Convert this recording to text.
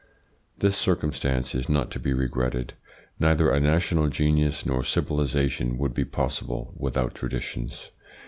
This circumstance is not to be regretted. Neither a national genius nor civilisation would be possible without traditions.